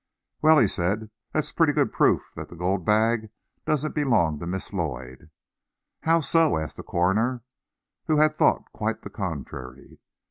"Well," he said, "that's pretty good proof that the gold bag doesn't belong to Miss Lloyd." "How so?" asked the coroner, who had thought quite the contrary.